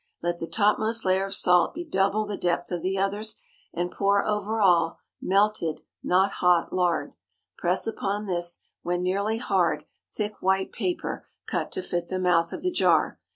Let the topmost layer of salt be double the depth of the others, and pour over all melted—not hot—lard. Press upon this, when nearly hard, thick white paper, cut to fit the mouth of the jar.